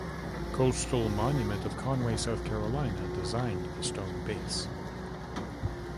Coastal Monument of Conway, South Carolina designed the stone base.